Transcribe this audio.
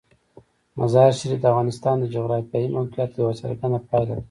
مزارشریف د افغانستان د جغرافیایي موقیعت یوه څرګنده پایله ده.